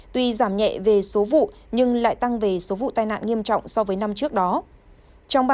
tuy giảm nhẹ về số vụ nhưng lại tăng về số vụ tai nạn nghiêm trọng